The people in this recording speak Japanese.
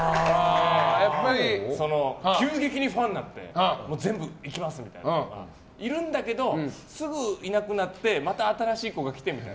急激にファンになって全部行きますみたいな子がいるんだけどすぐいなくなってまた新しい子が来てみたいな。